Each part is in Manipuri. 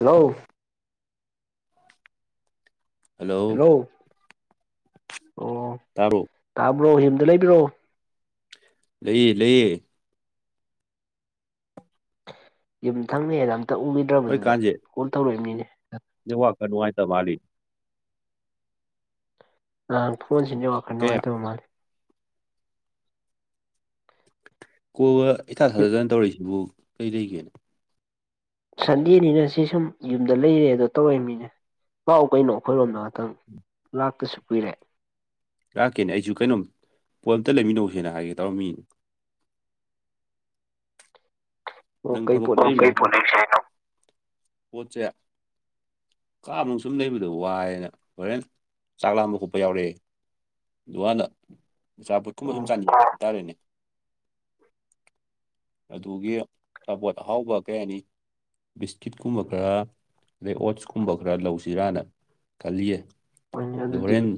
ꯍꯜꯂꯣ ꯍꯜꯂꯣ ꯍꯦꯂꯣ ꯑꯣ ꯇꯔꯨꯛ ꯇꯥꯕ꯭ꯔꯣ ꯌꯨꯝꯗ ꯂꯩꯕꯤꯔꯣ ꯂꯩꯌꯦ ꯂꯩꯌꯦ ꯌꯨꯝꯊꯪꯅꯩ ꯍꯥꯏꯅ ꯑꯝꯇ ꯎꯈꯤꯗ꯭ꯔꯕꯗꯨꯗ ꯀꯣꯜ ꯇꯧꯔꯛꯏꯕꯅꯤꯅꯦ ꯋꯥ ꯀꯩꯅꯅꯨꯡꯉꯥꯏ ꯇ ꯃꯥꯂꯤ ꯑ ꯐꯣꯟꯁꯤꯅꯦ ꯋꯥꯈꯜ ꯀꯩ ꯅꯨꯡꯉꯥꯏꯇꯕ ꯃꯥꯜꯜꯂꯤꯦ ꯀꯣꯛꯜꯒ ꯏꯊꯥ ꯊꯥꯗꯗꯅ ꯇꯧꯔꯛꯏꯁꯤꯕꯨ ꯀꯩ ꯂꯩꯒꯦꯅ ꯁꯟꯗꯦꯅꯤꯅ ꯁꯤ ꯁꯨꯝ ꯌꯨꯝꯗ ꯂꯩꯔꯦ ꯑꯗꯣ ꯇꯧꯔꯛꯃꯤꯅꯦ ꯂꯥꯛꯎ ꯀꯩꯅꯣ ꯑꯩꯈꯣꯏꯔꯣꯝꯗ ꯉꯍꯥꯛꯇꯪ ꯂꯥꯛꯇꯁꯨ ꯀꯨꯏꯔꯦ ꯂꯥꯛꯀꯦꯅꯦ ꯑꯩꯁꯨ ꯀꯩꯅꯣꯝ ꯄꯣꯠ ꯑꯝꯇ ꯂꯩꯃꯤꯟꯅꯧꯁꯦꯅ ꯍꯥꯏꯒꯦ ꯇꯧꯔꯝꯃꯤꯅꯦ ꯑꯣ ꯅꯪ ꯊ ꯀꯩ ꯄꯣꯠ ꯂꯩꯁꯦ ꯍꯥꯏꯅꯣ ꯄꯣꯠꯁꯦ ꯀꯥꯕ ꯁꯨꯝ ꯂꯩꯕꯗꯣ ꯋꯥꯏꯑꯅ ꯍꯣꯔꯦꯟ ꯆꯥꯛ ꯂꯥꯝꯕ ꯈꯣꯠꯄ ꯌꯥꯎꯔꯛꯑꯦ ꯑꯗꯨ ꯍꯥꯟꯅ ꯑꯆꯥꯄꯣꯠ ꯀꯨꯝꯕ ꯁꯨꯝ ꯑꯣ ꯆꯥꯅꯤꯡ ꯍꯥꯏꯇꯥꯔꯦꯅꯦ ꯑꯗꯨꯒꯤ ꯑꯕꯣꯠ ꯑꯍꯥꯎꯕ ꯀꯌꯥꯅꯤ ꯕꯤꯁꯀꯤꯠꯀꯨꯝꯕ ꯈꯔ ꯑꯗꯩ ꯑꯣꯠꯁ ꯀꯨꯝꯕ ꯈꯔ ꯂꯧꯁꯤꯔꯥꯅ ꯀꯂꯂꯤꯌꯥ ꯍꯣꯏꯅꯦ ꯑꯗꯨ ꯑꯗꯨꯗꯤ ꯍꯣꯔꯦꯟ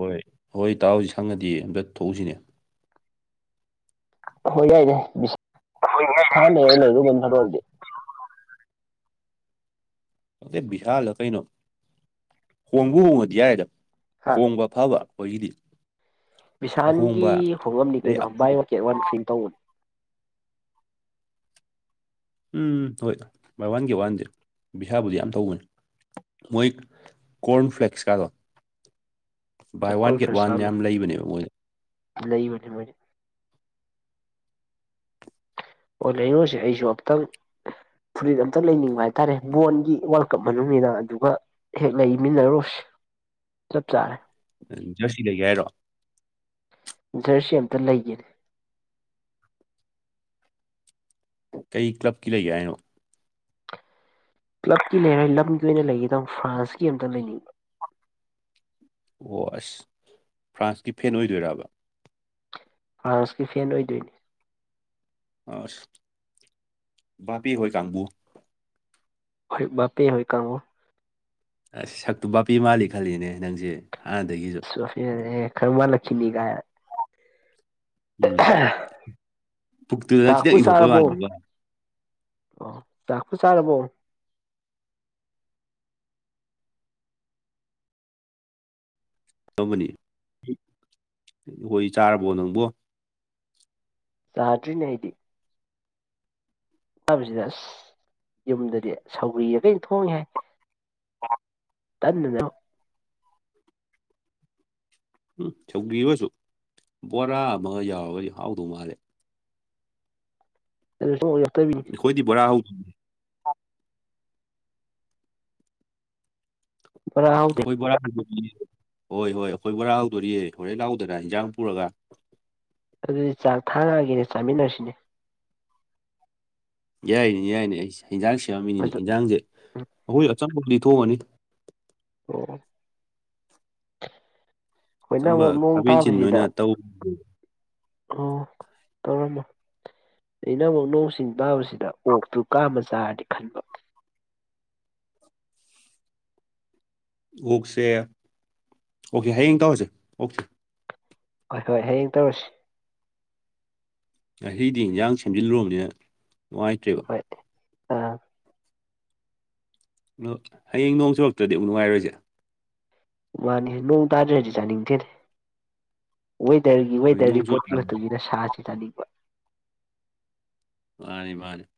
ꯍꯣꯏ ꯍꯣꯏ ꯇꯥꯛꯍꯁꯤ ꯁꯪꯉꯗꯤ ꯑꯝꯇ ꯊꯣꯛꯎꯁꯤꯅꯦ ꯍ ꯌꯥꯏꯗꯦ ꯍ ꯍꯥꯟꯅꯦꯗ ꯂꯩ ꯑꯗꯨꯅ ꯑꯣꯏꯔꯗꯤ ꯕꯤꯍꯥꯜꯂ ꯀꯩꯅꯣ ꯍꯣꯡꯕ ꯍꯣꯡꯉꯗꯤ ꯌꯥꯏꯗ ꯍꯥ ꯍꯣꯡꯕ ꯑꯐꯕ ꯑꯩꯈꯣꯏꯒꯤꯗꯤ ꯕꯤꯚꯤꯁꯥꯟꯒꯤ ꯑꯍꯣꯡꯕ ꯍꯣꯡꯉꯝꯅꯤ ꯑꯗꯩ ꯀꯩꯅꯣ ꯕꯥꯏ ꯑꯐꯕ ꯋꯥꯀꯦꯠ ꯋꯥꯟ ꯊ꯭ꯔꯤꯝ ꯇꯧꯕꯅꯦ ꯎꯝ ꯍꯣꯏ ꯚ ꯋꯥꯟꯒꯤ ꯋꯥꯟꯗꯤꯦ ꯕꯤꯁꯥꯕꯨꯗꯤ ꯌꯥꯝ ꯇꯧꯕꯅꯤ ꯃꯣꯏ ꯀ ꯀꯣꯔ ꯀꯣꯔꯟ ꯐ꯭ꯂꯦꯛꯁ ꯀꯗ ꯍꯣꯏ buy one call get one ꯌꯥꯝ ꯂꯩꯕꯅꯦꯕ ꯃꯣꯏꯁꯦ ꯂꯩ ꯃꯅꯦ ꯃꯅꯦꯦ ꯑꯣ ꯂꯩꯩꯅꯣꯁꯦ ꯑꯩꯁꯨ ꯑꯝꯛꯇꯪ ꯐꯨꯔꯤꯠ ꯑꯝꯇ ꯂꯩꯅꯤꯡꯕ ꯍꯥꯏꯇꯥꯔꯦ ꯕꯣꯣꯟꯒꯤ ꯋꯥꯔꯜ ꯀꯞ ꯃꯅꯨꯡꯅ ꯑꯗꯨꯒ ꯍꯦꯛ ꯂꯩꯃꯤꯟꯅꯔꯨꯁ ꯆꯞ ꯆꯥꯔꯦ ꯎꯝ ꯖꯔꯁꯤꯗꯒꯤ ꯍꯥꯏꯔꯣ ꯖꯔꯁꯤ ꯑꯝꯇ ꯂꯩꯒꯦꯅꯦ ꯀꯩ ꯀ꯭ꯂꯕꯀꯤ ꯂꯩꯒꯦ ꯍꯥꯏꯅꯣ ꯀ꯭ꯂꯕꯀꯤ ꯂꯩꯔꯦ ꯂꯝꯒꯤ ꯑꯣꯏꯅ ꯂꯩꯒꯗ ꯐ꯭ꯔꯥꯟꯁꯀꯤ ꯑꯝꯇ ꯂꯩꯅꯤꯕ ꯑꯣ ꯑꯁ ꯐ꯭ꯔꯥꯟꯁꯀꯤ ꯐꯦꯟ ꯑꯣꯏꯗꯣꯏꯔꯕ ꯐ꯭ꯔꯥꯟꯁꯀꯤ ꯐꯦꯟ ꯑꯣꯏꯗꯣꯏꯅꯤ ꯑ ꯚꯥꯕꯤ ꯍꯣꯏ ꯀꯥꯡꯕꯨ ꯍ ꯕꯥꯄꯄꯤꯦꯡ ꯍꯣꯏꯀ ꯀꯥꯡꯕꯨꯣ ꯑꯁ ꯁꯛꯇꯨ ꯕꯥꯞꯄꯤ ꯃꯥꯜꯂꯤ ꯈꯜꯂꯤꯅꯦ ꯅꯪꯁꯦ ꯍꯥꯟꯅꯗꯒꯤꯁꯨ ꯐ ꯈꯔꯋꯥ ꯂꯛꯈꯤꯅꯤꯒ ꯎꯝ ꯄꯨꯛꯇꯨꯗ ꯆꯥꯛꯄꯨ ꯈꯤꯇꯪ ꯏꯟꯊꯣꯛꯄ ꯆꯥꯔꯕꯣ ꯋꯥꯅꯤꯕ ꯑꯣ ꯆꯈ ꯆꯥꯕꯣ ꯇꯝꯕꯅꯤ ꯑꯩꯈꯣꯏ ꯆꯥꯔꯕꯣ ꯅꯪꯕꯣ ꯆꯇ꯭ꯔꯤꯅꯦ ꯍꯥꯏꯗꯤ ꯆꯕꯁꯤꯗ ꯑꯁ ꯌꯨꯝꯗꯗꯤ ꯁꯧꯒ꯭ꯔꯤꯗ ꯀꯔꯤ ꯊꯣꯡꯉꯦ ꯍꯥꯏ ꯇꯅꯦ ꯎꯝ ꯁꯧꯗꯔꯁꯨ ꯕꯣꯔꯥ ꯑꯃꯒ ꯌꯥꯎꯔꯒꯗꯤ ꯍꯥꯎꯗꯧ ꯃꯥꯜꯂꯦ ꯑꯗꯨ ꯌꯧꯔꯛꯇꯕꯤꯅꯤ ꯑꯩꯈꯣꯏꯗꯤ ꯕꯣꯔꯥ ꯍꯧꯗꯦ ꯕꯣꯔꯥ ꯍꯧꯗꯦ ꯑꯩꯈꯣꯏ ꯕꯣꯔꯥ ꯍꯣꯏ ꯍꯣꯏ ꯑꯩꯈꯣꯏ ꯕꯣꯔꯥ ꯍꯥꯎꯗꯣꯔꯤꯌꯦ ꯍꯣꯔꯦꯟ ꯂꯥꯎꯗꯅ ꯏꯟꯖꯥꯡ ꯄꯨꯔꯒ ꯑꯗꯨꯗꯤ ꯆꯥꯛ ꯊꯥꯔꯛꯑꯒꯦꯅꯦ ꯆꯥꯃꯤꯟꯅꯔꯁꯤꯅꯦ ꯌꯥꯏꯅꯦ ꯌꯥꯏꯅꯦ ꯑꯩ ꯍꯟꯖꯥꯡ ꯁꯦꯝꯃꯝꯃꯤꯅꯤꯅꯦ ꯑꯗꯨ ꯏꯟꯖꯥꯡꯁꯦ ꯎꯝ ꯑꯩꯈꯣꯏ ꯑꯆꯝꯕ ꯂꯤꯊꯣꯛꯑꯅꯤ ꯑꯣ ꯑꯩꯣꯏꯅ ꯑꯆꯝꯕ ꯑꯃꯨꯛ ꯅꯣꯡ ꯈꯥꯃꯦꯟꯁꯤꯟ ꯇꯥꯕꯁꯤꯗ ꯑꯣꯏꯅ ꯇꯧ ꯑꯣ ꯇꯧꯔꯃꯣ ꯑꯩꯅꯕꯨꯨ ꯅꯁꯤꯡ ꯇꯥꯕꯁꯤꯗꯤ ꯑꯗ ꯑꯣꯛꯇꯨ ꯀꯥꯃ ꯆꯥꯔꯗꯤ ꯈꯟꯕ ꯑꯣꯛꯁꯦ ꯑꯣꯀꯦ ꯍꯌꯦꯡ ꯇꯧꯔꯁꯦ ꯑꯣꯀꯦ ꯍꯣꯏ ꯍꯣꯏ ꯍꯌꯦꯡ ꯇꯧꯔꯁꯤ ꯉꯗꯤ ꯏꯟꯖꯥꯡ ꯁꯦꯝꯖꯤꯜꯂꯨꯔꯕꯅꯤꯅ ꯅꯨꯡꯉꯥꯏꯇ꯭ꯔꯦꯕ ꯍꯣꯏ ꯑ ꯍꯌꯦꯡ ꯅꯣꯡ ꯆꯨꯔꯛꯇ꯭ꯔꯗꯤ ꯑꯃꯨꯛ ꯅꯨꯡꯉꯥꯏꯔꯣꯏꯁꯦ ꯃꯥꯅꯤ ꯅꯣꯡ ꯇꯥꯗ꯭ꯔꯗꯤ ꯆꯥꯅꯤꯡꯗꯦꯅꯦ ꯋꯦꯗꯔꯒꯤ ꯍꯣꯏ ꯋꯦꯗꯔ ꯅꯣꯡ ꯔꯤꯄꯣꯔꯠꯀꯤ ꯆꯨꯔꯛꯀꯥꯟꯗ ꯃꯇꯨꯡꯏꯟꯅ ꯁꯥꯁꯤ ꯆꯥꯅꯤꯡꯕ ꯃꯥꯅꯤ ꯃꯥꯅꯤ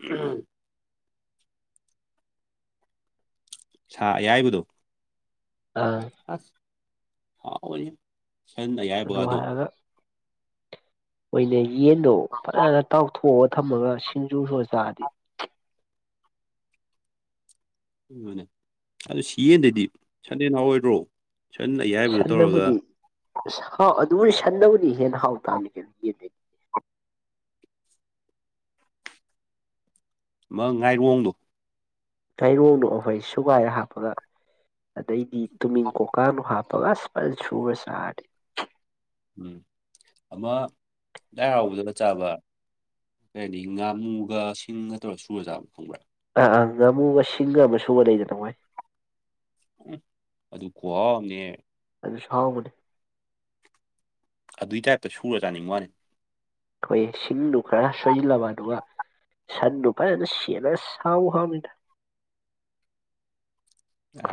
ꯎꯝ ꯁꯥ ꯑꯌꯥꯏꯕꯗꯣ ꯑ ꯑꯁ ꯑꯥꯎ ꯑꯗꯨ ꯍꯥꯏꯔꯒ ꯑꯣꯏꯅ ꯌꯦꯟꯗꯣ ꯐꯖꯅ ꯇꯥꯎꯊꯣꯛꯑꯒ ꯊꯝꯃꯒ ꯁꯤꯡꯖꯨꯁꯨ ꯆꯥꯔꯗꯤ ꯅꯦ ꯑꯗꯨ ꯁꯤ ꯌꯦꯟꯗꯗꯤ ꯁꯟꯗꯦ ꯅꯍꯎꯑꯣꯏꯗ꯭ꯔꯣ ꯁꯟꯅꯕꯨꯗꯤ ꯑꯁ ꯍꯥꯎ ꯑꯗꯨꯕꯨꯗꯤ ꯁꯟꯅꯕꯨꯗꯤ ꯍꯦꯟꯅ ꯍꯥꯎ ꯇꯥꯝꯃꯤꯁꯦ ꯌꯦꯗꯦ ꯃ ꯉꯥꯏꯔꯣꯡꯗꯣ ꯀꯥꯏꯔꯣꯡꯅꯣ ꯑꯩꯈꯣꯏ ꯁꯨꯒꯥꯏ ꯍꯥꯞꯄꯒ ꯑꯗꯩꯗꯤ ꯇꯨꯃꯤꯟ ꯀꯧꯀꯥꯅꯣ ꯍꯥꯞꯄ ꯄ꯭ꯂꯥꯁ ꯄꯁꯨ ꯁꯥꯥ ꯎꯝ ꯑꯃ ꯂꯥꯏ ꯍꯔꯥꯎꯕꯗꯨꯒ ꯆꯥꯕ ꯀꯔꯤ ꯍꯥꯏꯅꯤ ꯉꯥꯃꯨꯒ ꯁꯤꯡꯒ ꯇꯧꯔꯒ ꯁꯨꯔꯖꯥꯨ ꯈꯪꯕ꯭ꯔꯥ ꯑꯥ ꯉꯥꯃꯨꯒ ꯁꯤꯡꯒ ꯑꯃ ꯁꯨꯕ ꯂꯩꯗꯅ ꯃꯣꯏ ꯎ ꯑꯗꯨ ꯀꯣꯝꯅꯦ ꯑꯗꯨ ꯁꯥꯎꯒꯅꯦ ꯑꯗꯨꯏ ꯇꯥꯏꯞꯇ ꯁꯨꯔ ꯆꯥꯅꯤꯡꯕ ꯋꯥꯅꯤ ꯑꯩꯈꯣꯏ ꯁꯤꯡꯗꯨ ꯈꯔ ꯁꯣꯏꯁꯤꯜꯂꯕ ꯑꯗꯨꯒ ꯁꯥꯔꯗꯨ ꯄꯥꯏꯅ ꯁꯌꯥꯅ ꯁꯥꯥꯎ ꯍꯥꯦ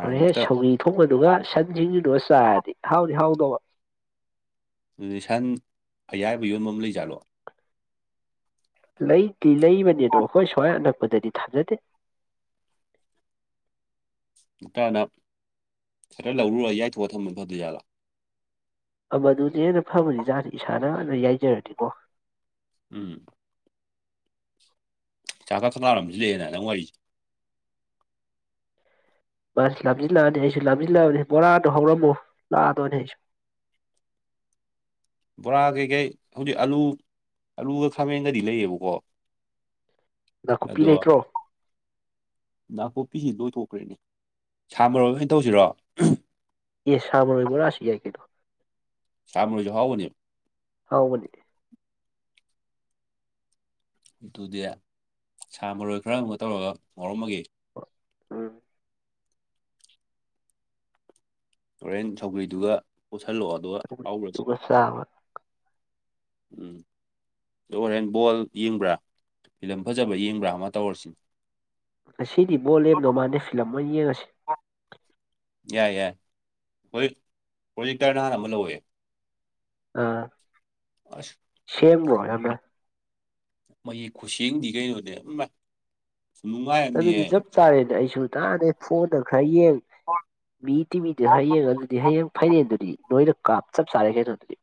ꯍꯣꯔꯦ ꯁꯧꯍꯤ ꯊꯣꯡꯕꯗꯨꯒ ꯁꯟ ꯁꯤꯡꯁꯤꯗꯨꯒ ꯆꯥꯔꯗꯤ ꯍꯥꯎꯗꯤ ꯍꯥꯎꯗꯧꯕ ꯁꯟ ꯑꯌꯥꯕ ꯌꯣꯟꯕ ꯑꯃ ꯂꯩꯖꯥꯠꯂꯣ ꯂꯩꯇꯦ ꯂꯩꯕꯅꯦꯗꯣ ꯑꯩꯈꯣꯏ ꯁ꯭ꯋꯥꯏ ꯑꯅꯛꯄꯗꯗꯤ ꯊꯥꯖꯗꯦ ꯅꯨꯇꯥꯅ ꯈꯔ ꯂꯧꯔꯨꯔ ꯌꯥꯏꯊꯣꯛꯑꯒ ꯊꯝꯕ ꯐꯗ ꯌꯥꯠꯂꯥ ꯃꯗꯨꯗꯤ ꯍꯦꯟꯅ ꯐꯕꯅꯤ ꯖꯥꯠꯗꯤ ꯏꯁꯥꯅ ꯍꯥꯟꯅ ꯌꯥꯏꯖꯔꯗꯤꯅꯤꯀꯣ ꯎꯝ ꯆꯥꯛ ꯆ ꯊ ꯂꯥꯔꯝꯃꯤꯁꯤꯗꯦꯅ ꯅꯪ ꯋꯥꯔꯤꯁꯦ ꯃꯥꯁ ꯂꯥꯝꯁꯤꯜꯂꯛꯑꯅꯤ ꯑꯩꯁꯨ ꯂꯝꯁꯤꯜꯂꯛꯑꯅꯤ ꯕꯣꯔꯥꯗꯣ ꯍꯧꯔꯝꯃꯣ ꯂꯥꯛꯑꯗꯣꯏꯅꯦ ꯑꯩꯁꯨ ꯕꯣꯔꯥ ꯀꯩꯀꯩ ꯍꯧꯖꯤꯛ ꯑꯂꯨ ꯑꯂꯨꯒ ꯈꯥꯃꯦꯟꯒꯗꯤ ꯂꯩꯌꯦꯕꯀꯣ ꯅꯥꯀꯨꯞꯄꯤ ꯑꯗꯣ ꯂꯩꯇ꯭ꯔꯣ ꯅꯥꯄꯨꯞꯄꯤꯁꯤ ꯂꯣꯏꯊꯣꯛꯈ꯭ꯔꯦꯅꯦ ꯁꯥꯃꯔꯣꯏ ꯀꯩꯅ ꯇꯧꯁꯤꯔꯣ ꯑꯦ ꯁꯕꯅ ꯑꯣꯏꯕꯥꯁꯤ ꯌꯥꯏ ꯀꯗꯣ ꯁꯝꯃ ꯍꯒꯅꯤ ꯍꯥꯎꯒꯅꯦ ꯑꯗꯨꯗꯤ ꯁꯥ ꯃꯔꯣꯏ ꯈꯔ ꯑꯃꯨꯛ ꯇꯧꯔꯒ ꯉꯥꯎꯔꯝꯃꯒꯦ ꯑꯝ ꯍꯣꯔꯦꯟ ꯁꯧꯒ꯭ꯔꯤꯗꯨꯒ ꯄꯨꯁꯤꯜꯂꯛꯑꯣ ꯑꯗꯨꯒ ꯍꯥꯎꯈ꯭ꯔꯁꯤ ꯑꯗꯨꯒ ꯆꯥꯕ ꯎꯝ ꯑꯗꯣ ꯍꯣꯔꯦꯟ ꯕꯣꯜ ꯌꯦꯡꯕ꯭ꯔꯥ ꯐꯤꯂꯝ ꯐꯖꯕ ꯌꯦꯡꯕ꯭ꯔꯥ ꯑꯃ ꯇꯧꯔꯁꯤꯅꯦ ꯑꯁꯤꯗꯤ ꯕꯣꯜ ꯂꯦꯝꯗꯧ ꯃꯥꯟꯗꯦ ꯐꯤꯂꯝ ꯑꯣꯏꯅ ꯌꯦꯡꯉꯁꯤ ꯌꯥꯏ ꯌꯥꯏ [unintelligible] ꯄ꯭ꯔꯣꯖꯤꯛꯇꯔ ꯅꯍꯥꯟ ꯑꯃ ꯂꯧꯋꯦ ꯑꯥ ꯑꯁ ꯁꯦꯡꯕ꯭ꯔꯣ ꯌꯥꯝꯅ ꯃꯌꯦꯛ ꯈꯨꯁꯦꯡꯗꯤ ꯀꯩꯅꯣꯅꯦ ꯏꯃꯥꯏ ꯅꯨꯡꯉꯥꯏ ꯑꯗꯨꯗꯤ ꯑꯃꯅꯤꯍꯦ ꯆꯞ ꯆꯥꯔꯦꯅ ꯑꯩꯁꯨ ꯅꯥꯍꯟꯗꯩꯩ ꯐꯣꯟꯗ ꯈꯔ ꯌꯦꯡ ꯃꯤ ꯇꯤꯕꯤꯗꯤ ꯍꯌꯦꯡ ꯑꯗꯨꯗꯤ ꯍꯌꯦꯡ ꯐꯥꯏꯅꯦꯟꯗꯨꯗꯤ ꯅꯣꯏꯗ ꯀꯥꯞ ꯆꯞ ꯆꯥꯔꯦ ꯀꯩꯅꯣꯗꯨꯗꯤ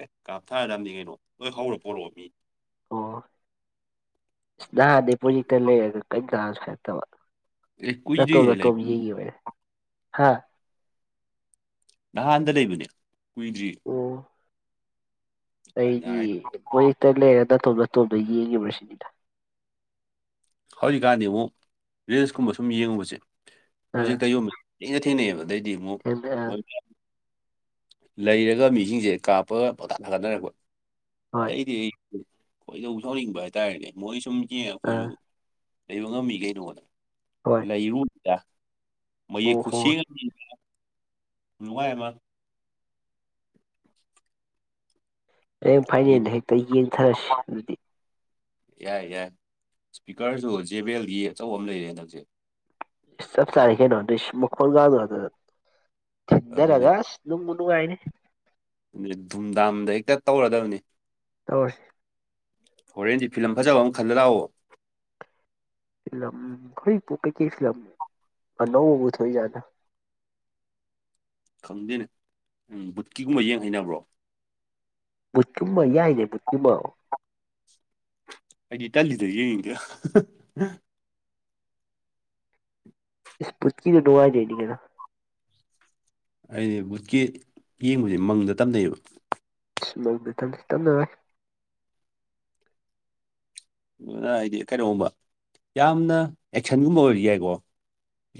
ꯑꯦ ꯀꯥꯞꯊꯥꯔꯅꯤ ꯀꯩꯅꯣ ꯂꯣꯏ ꯍꯧꯔ ꯄꯣꯔꯛꯑꯣ ꯃꯤ ꯑꯣ ꯅꯍꯥꯟꯗꯩ ꯄꯔꯣꯖꯦꯛꯇꯔ ꯂꯩꯔꯒꯥ ꯀꯔꯤꯝ ꯇꯥꯔꯁꯨ ꯍꯥꯏꯔꯛꯇꯕ ꯑꯦ ꯅꯠꯇꯣꯝ ꯀꯨꯏꯗ꯭ꯔꯤꯍꯦ ꯅꯠꯇꯣꯝ ꯂꯩꯕ ꯌꯦꯡꯃꯤꯅꯦ ꯍꯥ ꯅꯍꯥꯟꯗ ꯂꯩꯕꯅꯦ ꯀꯨꯏꯗ꯭ꯔꯤ ꯑꯣ ꯑꯩꯗꯤ ꯃꯣꯏ ꯍꯦꯛꯇ ꯂꯩꯔ ꯅꯇꯣꯞꯝ ꯇꯣꯞꯇ ꯌꯦꯡꯈꯤꯕꯥ ꯁꯤꯅꯤꯗ ꯍꯧꯖꯤꯛꯀꯥꯟꯗꯤ ꯑꯃꯨꯛ ꯔꯤꯜꯁꯀꯨꯝꯕ ꯁꯨꯝ ꯌꯦꯡꯉꯨꯕꯁꯦ ꯑꯥ ꯄ꯭ꯔꯣꯖꯦꯛꯇ ꯌꯣꯟꯕꯁꯦ ꯊꯦꯡꯅ ꯊꯦꯡꯅꯩꯌꯦꯕ ꯑꯗꯨꯗꯤꯃꯨꯛ ꯊꯦꯡꯅ ꯑꯥ ꯂꯩꯔꯒ ꯃꯤꯁꯤꯡꯁꯦ ꯀꯥꯞꯄꯒ ꯄꯣꯊꯥ ꯊꯒꯠꯅꯔꯛꯄ ꯍꯣꯏ ꯑꯩꯗꯤ ꯑꯩ ꯈꯣꯏꯗꯧ ꯁꯧꯅꯤꯡꯕ ꯍꯥꯏꯇꯥꯔꯦꯅꯦ ꯃꯣꯏ ꯁꯨꯝ ꯌꯦꯡꯉ ꯑꯥ ꯑꯩꯈꯣꯏꯁꯨ ꯂꯩꯕ ꯉꯝꯃꯤ ꯀꯩꯅꯣꯗ ꯍꯣꯏ ꯂꯩꯔꯨꯅꯤꯗ ꯃꯌꯦꯛ ꯑꯣ ꯍꯣꯏ ꯈꯨꯠꯁꯦꯝ ꯅꯨꯡꯉ ꯃꯥ ꯍꯌꯦꯡ ꯑꯗꯨ ꯐꯥꯏꯅꯦꯜꯗ ꯍꯦꯛꯇ ꯌꯦꯡꯊꯔꯁꯤ ꯑꯗꯨꯗꯤ ꯌꯥꯏ ꯌꯥꯏ ꯏꯁꯄꯤꯀꯔꯁꯨ ꯖꯦꯕꯦꯜꯒꯤ ꯑꯆꯧꯕ ꯑꯃ ꯂꯩꯔꯦ ꯍꯟꯗꯛꯖꯤꯛ ꯁ ꯇꯥꯈꯦꯅꯇ ꯃ ꯀꯣꯟ ꯀꯗ ꯊꯗ꯭ꯔ ꯑꯗꯨꯅꯦ ꯑꯒꯁ ꯅꯨꯡꯕꯨ ꯅꯨꯡꯉꯥꯏꯅꯤ ꯗꯨꯝ ꯗꯥꯝꯗ ꯍꯦꯛꯇ ꯇꯧꯔꯗꯕꯅꯤ ꯇꯧꯔꯁꯤ ꯍꯣꯔꯦꯟꯗꯤ ꯐꯤꯂꯝ ꯐꯖꯕ ꯑꯃ ꯈꯜꯂ ꯂꯥꯛꯑꯣ ꯐꯤꯂꯝ [unintelligible] ꯀꯩꯀꯩ ꯐꯤꯂꯝ ꯑꯅꯧꯕꯕꯨ ꯊꯣꯛꯏꯖꯥꯠꯂꯥ ꯈꯪꯗꯦꯅꯦ ꯎꯝ ꯕꯨꯠꯀꯤꯒꯨꯝꯕ ꯌꯦꯡ ꯍꯩꯅꯕ꯭ꯔꯣ ꯕꯨꯠꯀꯨꯝꯕ ꯌꯥꯏꯅꯦ ꯕꯨꯠꯀꯨꯝꯕ ꯑꯩꯗꯤ ꯇꯜꯂꯤꯗ ꯌꯦꯡꯅꯤꯡꯗꯦ ꯏꯁ ꯚꯨꯠꯀꯤꯗꯣ ꯅꯨꯡꯉꯥꯏꯅ ꯌꯦꯡꯅꯤꯉꯦꯗ ꯑꯩꯗꯤ ꯕꯨꯠꯀꯤ ꯌꯦꯡꯕꯖꯦ ꯃꯪꯗ ꯇꯝꯅꯩꯌꯦꯕ ꯑꯁ ꯃꯡꯗꯥ ꯇꯝꯅꯩ ꯇꯝꯅꯔꯣꯏ ꯑ ꯑꯩꯗꯤ ꯀꯩꯅꯣꯒꯨꯝꯕ ꯌꯥꯝꯅ ꯑꯦꯛꯁꯟꯒꯨꯝꯕ ꯑꯣꯏꯔꯗꯤ ꯌꯥꯏꯀꯣ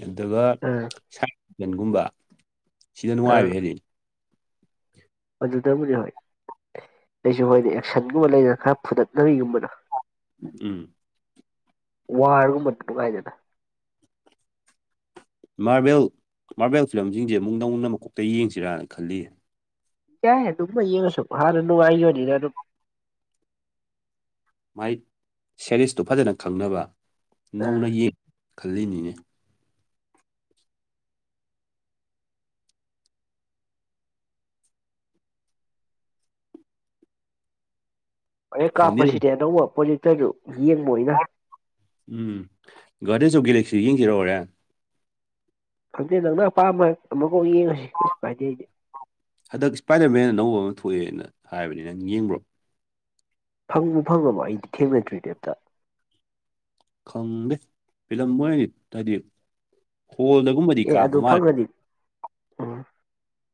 ꯑꯗꯨꯒ ꯑꯥ [unintelligible] ꯁꯤꯗ ꯑꯥ ꯅꯨꯡꯉꯥꯏꯕ ꯍꯦꯜꯂꯤ꯫ ꯑꯗꯨꯗꯕꯨꯗꯤ ꯍꯣꯏ ꯑꯩꯁꯨ ꯍꯣꯏꯗꯤ ꯑꯦꯛꯁꯟꯒꯨꯝꯕ ꯂꯩꯗꯅ ꯈꯔ ꯐꯨꯗꯠꯅꯕꯤꯒꯨꯝꯕꯗꯣ ꯎꯝ ꯋꯥꯔꯒꯨꯝꯕ ꯅꯨꯡꯉꯥꯏꯗꯅ ꯃꯥꯔꯕꯦꯜ ꯃꯥꯔꯕꯦꯜ ꯐꯤꯂꯝꯁꯤꯡꯁꯦ ꯑꯃꯨꯛ ꯅꯧꯅ ꯑꯃꯀꯣꯛꯇꯩ ꯌꯦꯡꯁꯤꯔꯥꯅ ꯈꯜꯂꯤꯌꯦ ꯌꯥꯏ ꯑꯗꯨꯒꯨꯝꯕꯥ ꯌꯦꯉꯁꯨ ꯍꯟꯅ ꯅꯨꯉꯏꯒꯤꯕꯅꯤꯅꯥ ꯑꯗꯨꯝ ꯃꯥꯏ ꯁꯦꯔꯤꯁꯇꯨ ꯐꯖꯅ ꯈꯪꯅꯕ ꯑꯥ ꯅꯧꯅ ꯌꯦꯡ ꯈꯜꯂꯤꯅꯤꯅꯦ ꯍꯦꯔꯦꯟ ꯈꯪꯗꯦ ꯀꯥꯞꯄꯁꯤꯗꯤ ꯑꯅꯧꯕ ꯄ꯭ꯔꯣꯗꯦꯛꯇꯔꯗꯨ ꯌꯦꯡꯕ ꯑꯣꯏꯅ ꯎꯝ ꯒꯥꯔꯗꯦꯟꯖ ꯑꯣꯐ ꯒꯦꯂꯦꯛꯁꯤ ꯌꯦꯡꯁꯤꯔꯣ ꯍꯣꯔꯦꯟ ꯈꯪꯗꯦ ꯅꯪꯅ ꯑꯄꯥꯝꯕ ꯑꯃꯀꯣꯛ ꯌꯦꯡꯉꯁꯤ ꯀꯩꯁꯨ ꯀꯥꯏꯗꯦ ꯑꯩꯗꯤ ꯍꯟꯗꯛ ꯏꯁꯄꯥꯏꯗꯔ ꯃꯦꯟ ꯑꯅꯧꯕ ꯑꯃ ꯊꯣꯛꯑꯦꯅ ꯍꯥꯏꯕꯅꯤ ꯅꯪ ꯌꯦꯡꯕ꯭ꯔꯣ ꯐꯪꯕꯨ ꯐꯪꯉꯕꯣ ꯑꯩꯗꯤ ꯊꯦꯡꯅꯗ꯭ꯔꯤꯅꯦ ꯑꯝꯇꯥ ꯈꯪꯗꯦ ꯐꯤꯂꯝ ꯃꯣꯢ ꯍꯥꯏꯗꯤ ꯍꯣꯜꯗꯒꯨꯝꯕ ꯑꯦ ꯑꯗꯨ ꯐꯪꯉꯗꯤ ꯎꯝ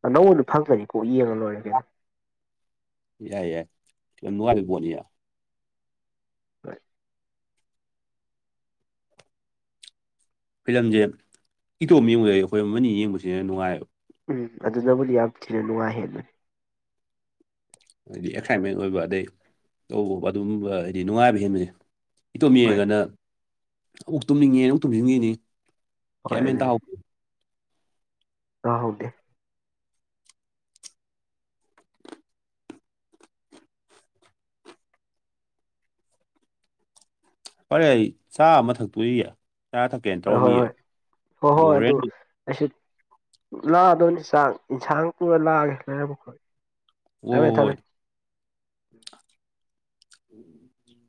ꯑꯅꯧꯕꯗꯣ ꯐꯪꯉꯗꯤ ꯀꯣꯛ ꯌꯦꯡꯉ ꯂꯣꯏꯔꯦ ꯀꯩꯅꯣ ꯌꯥꯏ ꯌꯥꯏ ꯌꯥꯝ ꯅꯨꯉꯥꯏꯗꯧ ꯄꯣꯠꯅꯤ ꯍꯣꯏ ꯐꯤꯂꯝꯁꯦ ꯏꯇꯣꯝ ꯌꯦꯡꯕꯗꯩ ꯑꯩꯈꯣꯏ ꯑꯃꯅꯤ ꯌꯦꯡꯕꯁꯤꯅ ꯅꯨꯡꯉꯥꯏꯕ ꯎꯝ ꯑꯗꯨꯅꯕꯨꯗꯤ ꯌꯥꯝ ꯊꯤꯅ ꯅꯨꯡꯉꯥꯏ ꯍꯦꯟꯕꯅꯤ ꯍꯥꯏꯗꯤ ꯑꯦꯛꯁꯥꯏꯠꯃꯦꯟ ꯑꯣꯏꯕ ꯑꯗꯩ ꯇꯧꯕ ꯑꯗꯨꯝꯕ ꯍꯥꯏꯗꯤ ꯅꯨꯡꯉꯥꯏꯕ ꯍꯦꯟꯕꯁꯦ ꯏꯇꯣꯝ ꯍꯣꯏ ꯌꯦꯉꯒꯅ ꯑꯣꯨꯛ ꯇꯨꯝꯅꯤꯡꯉꯦ ꯑꯃꯨꯛ ꯇꯨꯝꯁꯤꯟꯈꯤꯅꯤ ꯍꯣꯏ ꯀꯌꯥꯃꯤꯦꯟ ꯇ ꯑꯥꯍꯧ ꯗꯦ ꯐꯔꯦ ꯑꯩ ꯆꯥ ꯑꯃ ꯊꯛꯇꯣꯏꯌꯦ ꯆꯥ ꯊꯛꯀꯦꯅ ꯍꯣꯏ ꯍꯣꯏ ꯇꯧꯔꯝꯃꯤꯌꯦ ꯍꯣꯏ ꯍꯣꯏ ꯍꯣꯏ ꯑꯗꯨ ꯂꯣꯔꯦꯟ ꯑꯩꯁꯨ ꯂꯥꯛꯑꯗꯧꯅꯤ ꯆꯥꯛ ꯌꯦꯟꯁꯥꯡ ꯄꯨꯔ ꯂꯥꯛꯑꯒꯦ ꯍꯥꯏꯔꯕ ꯈꯣ ꯍ ꯎꯝ